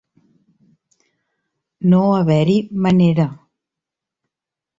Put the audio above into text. No haver-hi manera.